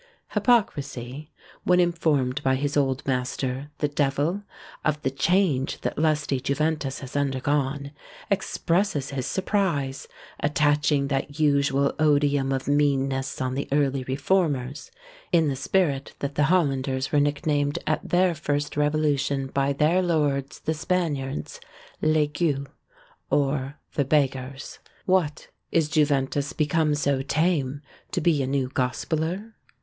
Hypocrisy, when informed by his old master, the Devil, of the change that "Lusty Juventus" has undergone, expresses his surprise; attaching that usual odium of meanness on the early reformers, in the spirit that the Hollanders were nicknamed at their first revolution by their lords the Spaniards, "Les Gueux," or the Beggars. What, is Juventus become so tame, To be a new Gospeller?